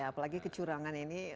apalagi kecurangan ini